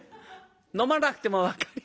「飲まなくても分かります。